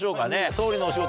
総理のお仕事